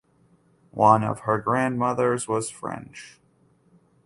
One of her grandmothers was French.